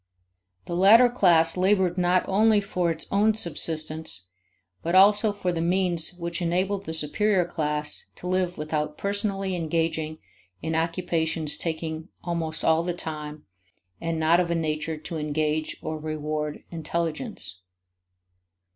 The latter class labored not only for its own subsistence, but also for the means which enabled the superior class to live without personally engaging in occupations taking almost all the time and not of a nature to engage or reward intelligence.